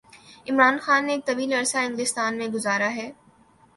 عمران خان نے ایک طویل عرصہ انگلستان میں گزارا ہے۔